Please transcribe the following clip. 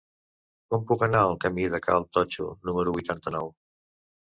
Com puc anar al camí de Cal Totxo número vuitanta-nou?